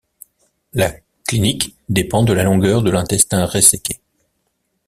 La clinique dépend de la longueur de l'intestin réséqué.